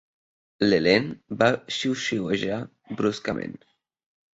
L'Helene va xiuxiuejar bruscament.